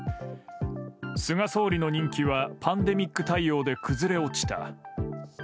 菅総理の人気はパンデミック対応で崩れ落ちた。